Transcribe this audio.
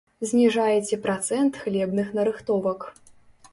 Зніжаеце працэнт хлебных нарыхтовак.